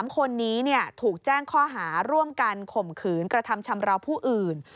๓คนนี้ถูกแจ้งข้อหาร่วมกันข่มขืนกระทำชำราวผู้อื่น